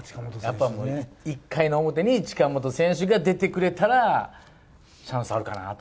やっぱ１回の表に近本選手が出てくれたら、チャンスあるかなと。